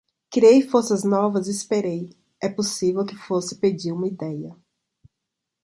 Criei forças novas e esperei...é possível que fosse pedir uma ideia...